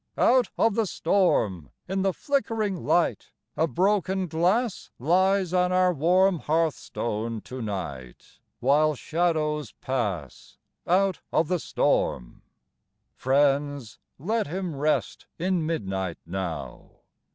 Out of the storm, In the flickering light, A broken glass Lies on our warm Hearthstone to night, While shadows pass Out of the storm. Friends, let him rest In midnight now.